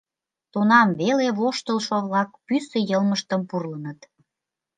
Тунам веле воштылшо-влак пӱсӧ йылмыштым пурлыныт.